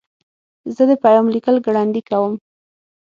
زه د پیام لیکل ګړندي کوم.